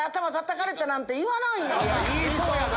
言いそうやな！